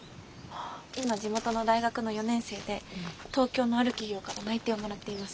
今地元の大学の４年生で東京のある企業から内定をもらっています。